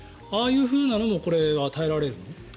ああいうふうなものもこれは耐えられる？